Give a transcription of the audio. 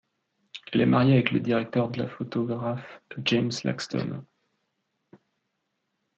Elle est mariée avec le directeur de la photographe James Laxton.